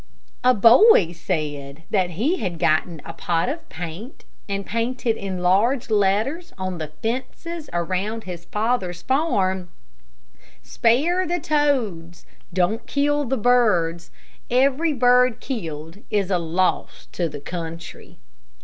A boy said that he had gotten a pot of paint, and painted in large letters on the fences around his father's farm: "Spare the toads, don't kill the birds. Every bird killed is a loss to the country."